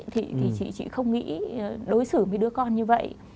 thì chị không nghĩ đối xử với đứa con như vậy